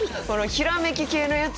ひらめき系のやつ？